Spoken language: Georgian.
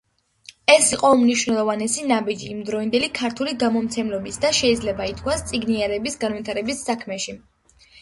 ეს იყო უმნიშვნელოვანესი ნაბიჯი იმდროინდელი ქართული გამომცემლობების და შეიძლება ითქვას, წიგნიერების განვითარების საქმეში.